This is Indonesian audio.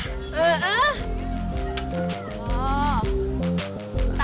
eh apaan ya